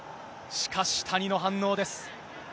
しかし、谷の反応です。